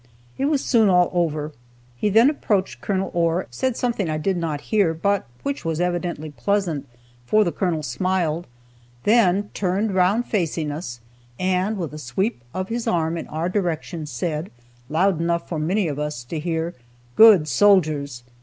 It was soon all over. He then approached Col. Ohr, said something I did not hear, but which was evidently pleasant, for the Colonel smiled, then turned round facing us, and with a sweep of his arm in our direction said, loud enough for many of us to hear, "Good soldiers!"